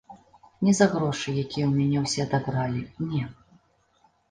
Не за грошы, якія ў мяне ўсе адабралі, не.